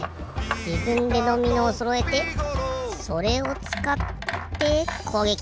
じぶんでドミノをそろえてそれをつかってこうげき！